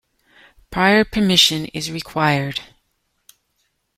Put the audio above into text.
Prior permission is required.